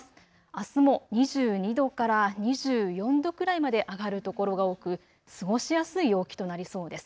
あすも２２度から２４度くらいまで上がる所が多く過ごしやすい陽気となりそうです。